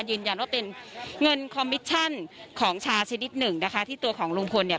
ยืนยันว่าเป็นเงินคอมมิชชั่นของชาชนิดหนึ่งนะคะที่ตัวของลุงพลเนี่ย